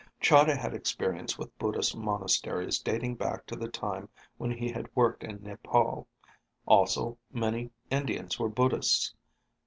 Chahda had experience with Buddhist monasteries dating back to the time when he had worked in Nepal. Also, many Indians were Buddhists.